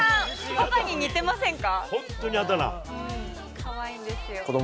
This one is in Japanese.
パパに似ていませんか？